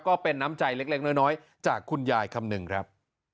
ก็เป็นน้ำใจเล็กน้อยจากคุณยายคำนึงครับ